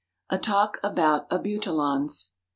A Talk About Abutilons.